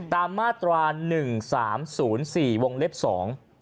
ตามมาตราหนึ่งสามศูนย์สี่วงเล็บสอง